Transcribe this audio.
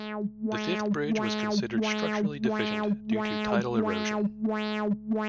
The fifth bridge was considered structurally deficient due to tidal erosion.